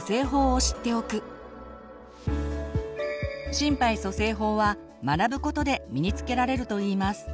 心肺蘇生法は学ぶことで身につけられるといいます。